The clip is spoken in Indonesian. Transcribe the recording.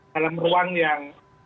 dalam ruang yang